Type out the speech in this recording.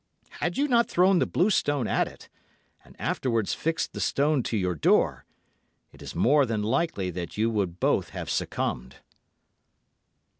Had you not thrown the blue stone at it, and afterwards fixed the stone to your door, it is more than likely that you would both have succumbed."